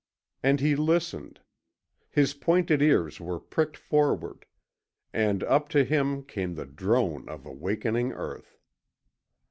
And he listened. His pointed ears were pricked forward, and up to him came the drone of a wakening earth.